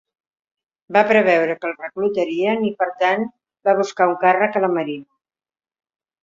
Va preveure que el reclutarien i, per tant, va buscar un càrrec a la marina.